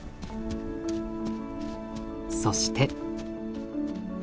そして。